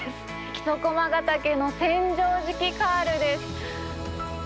木曽駒ヶ岳の千畳敷カールです。